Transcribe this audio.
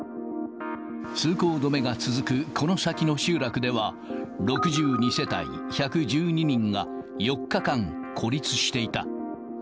通行止めが続くこの先の集落では、６２世帯１１２人が、４日間、孤立していた。